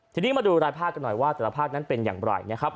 ทีนี้มาดูรายภาคกันหน่อยว่าแต่ละภาคนั้นเป็นอย่างไรนะครับ